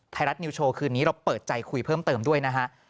ไทยรัฐนิวโชว์คืนนี้เราเปิดใจคุยเพิ่มเติมด้วยนะฮะ